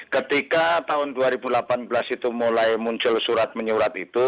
ketika tahun dua ribu delapan belas itu mulai muncul surat menyurat itu